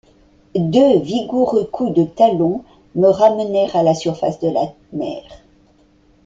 Deux vigoureux coups de talons me ramenèrent à la surface de la mer.